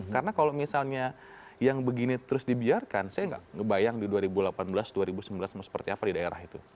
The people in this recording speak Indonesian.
karena kalau misalnya yang begini terus dibiarkan saya nggak ngebayang di dua ribu delapan belas dua ribu sembilan belas seperti apa di daerah itu